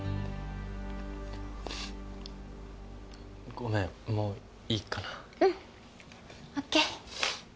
ごめんもういいかなうんＯＫ